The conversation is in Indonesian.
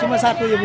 cuma satu ya bu